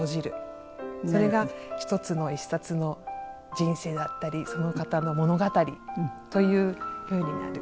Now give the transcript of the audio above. それが１つの一冊の人生だったりその方の物語というふうになる。